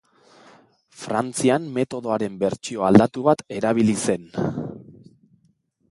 Frantzian metodoaren bertsio aldatu bat erabili zen.